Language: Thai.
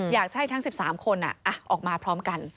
อยากให้ทั้ง๑๓คนออกมาพร้อมกัน